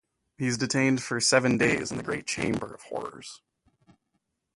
He is detained for seven days in the great chamber of horrors.